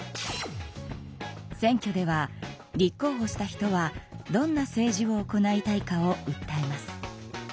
選挙では立候ほした人はどんな政治を行いたいかをうったえます。